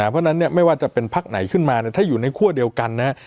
เพราะฉะนั้นไม่ว่าจะเป็นพักไหนขึ้นมาถ้าอยู่ในคั่วเดียวกันนะครับ